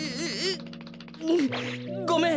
ごめん！